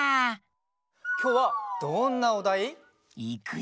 きょうはどんなおだい？いくよ！